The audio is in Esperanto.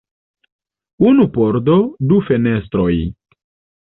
Unu pordo, du fenestroj.